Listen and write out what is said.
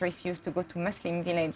berhentikan ke wilayah muslim